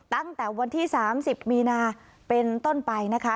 ตั้งแต่วันที่๓๐มีนาเป็นต้นไปนะคะ